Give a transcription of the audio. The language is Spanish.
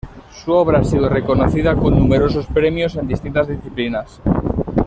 Su obra ha sido reconocida con numerosos premios en distintas disciplinas.